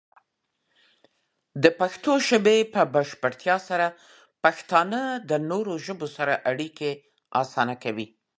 د پښتو ژبې په بشپړتیا سره، پښتانه د نورو ژبو سره اړیکې اسانه کوي.